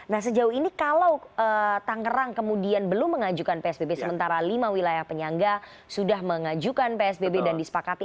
nah sejauh ini kalau tangerang kemudian belum mengajukan psbb sementara lima wilayah penyangga sudah mengajukan psbb dan disepakati